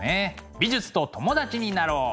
美術と友達になろう！